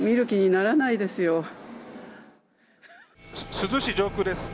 珠洲市上空です。